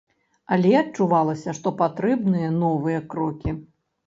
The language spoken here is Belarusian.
Але адчувалася, што патрэбныя новыя крокі.